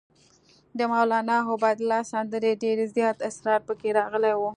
د مولنا عبیدالله سندي ډېر زیات اسرار پکې راغلي وو.